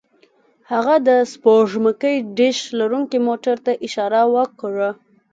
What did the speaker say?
هغه د سپوږمکۍ ډیش لرونکي موټر ته اشاره وکړه